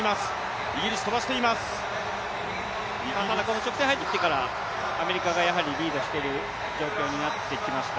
ただ直線入ってきてからアメリカがリードしている状況になってきました。